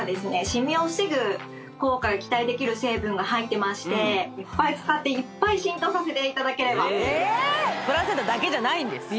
シミを防ぐ効果が期待できる成分が入ってましていっぱい使っていっぱい浸透させていただければプラセンタだけじゃないんです